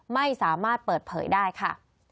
ไม่สามารถเปิดเผยได้ค่ะ